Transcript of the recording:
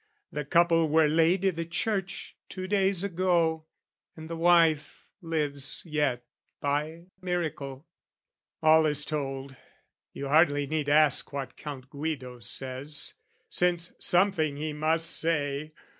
The couple were laid i' the church two days ago, And the wife lives yet by miracle. All is told. You hardly need ask what Count Guido says, Since something he must say.